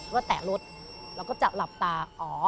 แล้วก็แตะรถแล้วก็จับหลับตา